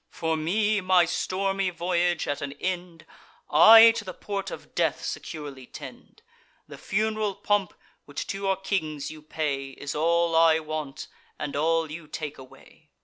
For me, my stormy voyage at an end, I to the port of death securely tend. The fun'ral pomp which to your kings you pay, Is all I want, and all you take away."